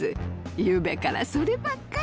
ゆうべからそればっかり。